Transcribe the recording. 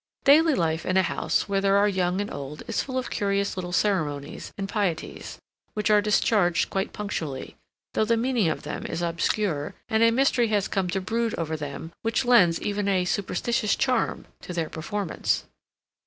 Daily life in a house where there are young and old is full of curious little ceremonies and pieties, which are discharged quite punctually, though the meaning of them is obscure, and a mystery has come to brood over them which lends even a superstitious charm to their performance.